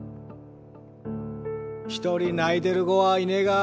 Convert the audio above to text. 一人泣いてる子はいねが。